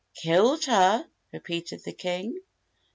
"Killed her?" repeated the king.